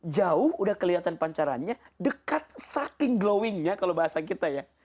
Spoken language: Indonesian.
jauh udah kelihatan pancarannya dekat saking glowingnya kalau bahasa kita ya